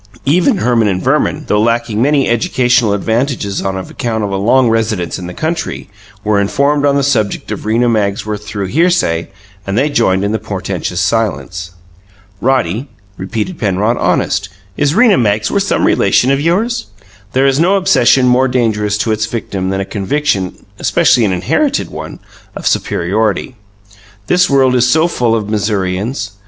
Even Herman and Verman, though lacking many educational advantages on account of a long residence in the country, were informed on the subject of Rena Magsworth through hearsay, and they joined in the portentous silence. "Roddy," repeated Penrod, "honest, is Rena Magsworth some relation of yours?" There is no obsession more dangerous to its victims than a conviction especially an inherited one of superiority: this world is so full of Missourians.